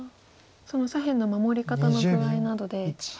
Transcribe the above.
その左辺の守り方の具合などで。